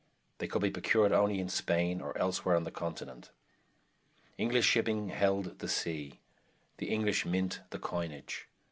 They could be procured only in Spain or elsewhere on the continent. English shipping held the sea; the English mint the coinage.